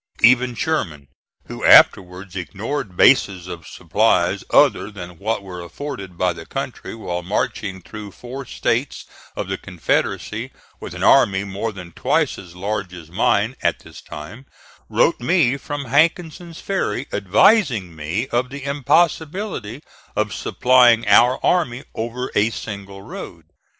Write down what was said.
Even Sherman, who afterwards ignored bases of supplies other than what were afforded by the country while marching through four States of the Confederacy with an army more than twice as large as mine at this time, wrote me from Hankinson's ferry, advising me of the impossibility of supplying our army over a single road.